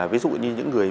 ví dụ như những người